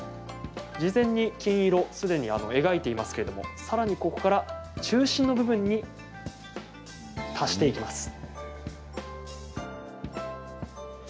事前に金色すでに描いていますけどもさらに、ここから中心の部分に足していきます。